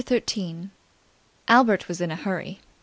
CHAPTER 13. Albert was in a hurry.